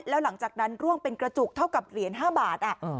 แล้วหลังจากนั้นร่วงเป็นกระจุกเท่ากับเหรียญ๕บาท